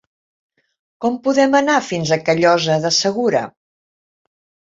Com podem anar fins a Callosa de Segura?